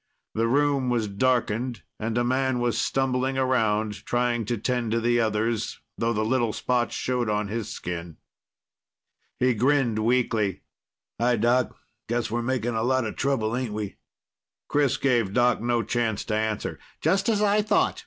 The room was darkened, and a man was stumbling around, trying to tend the others, though the little spots showed on his skin. He grinned weakly. "Hi, Doc. I guess we're making a lot of trouble, ain't we?" Chris gave Doc no chance to answer. "Just as I thought.